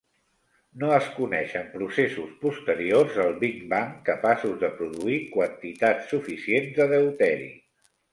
No es coneixen processos posteriors al Big Bang capaços de produir quantitats suficients de deuteri.